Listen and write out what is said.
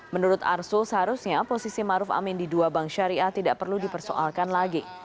menurut arsul seharusnya posisi maruf amin di dua bank syariah tidak perlu dipersoalkan lagi